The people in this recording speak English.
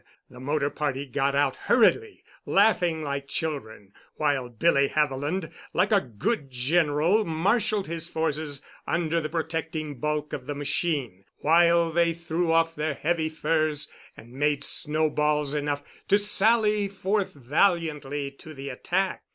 The motor party got out hurriedly, laughing like children, while Billy Haviland, like a good general, marshaled his forces under the protecting bulk of the machine, while they threw off their heavy furs and made snowballs enough to sally forth valiantly to the attack.